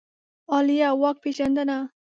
عالیه واک پېژندنه